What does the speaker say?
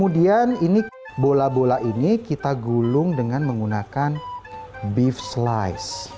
dan ini bola bola ini kita gulung dengan menggunakan beef slice